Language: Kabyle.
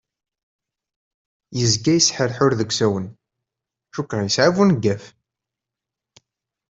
Yezga yesḥerḥur deg usawen, cukkeɣ yesɛa buneggaf.